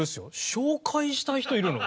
紹介したい人いるの？